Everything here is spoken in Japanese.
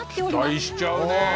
期待しちゃうね。